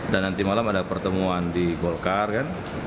dan nanti malam ada pertemuan di golkar kan